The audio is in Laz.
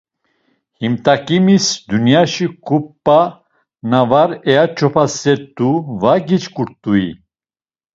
Him t̆aǩimis dunyaşi ǩup̌a na var eaç̌opaset̆u var giçkit̆ui!